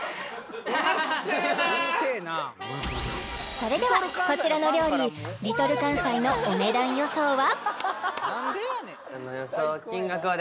それではこちらの料理Ｌｉｌかんさいのお値段予想は？